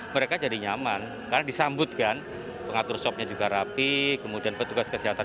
mereka jadi nyaman karena disambutkan pengatur swabnya juga rapi kemudian petugas kesehatan